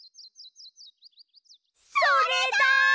それだ！